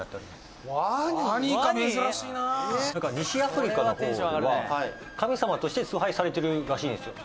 「西アフリカの方では神様として崇拝されてるらしいんですよ」